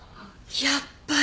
やっぱり。